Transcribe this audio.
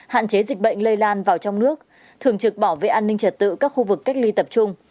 hạn chế dịch bệnh lây lan vào trong nước thường trực bảo vệ an ninh trật tự các khu vực cách ly tập trung